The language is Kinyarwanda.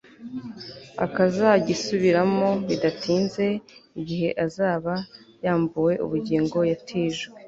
akazagisubiramo bidatinze, igihe azaba yambuwe ubugingo yatijwe